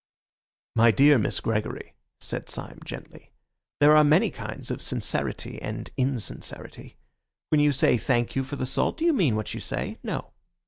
"My dear Miss Gregory," said Syme gently, "there are many kinds of sincerity and insincerity. When you say 'thank you' for the salt, do you mean what you say? No.